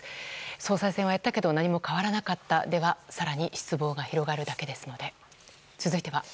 総裁選はやったけど何も変わらなかったでは更に失望が広がるだけですので。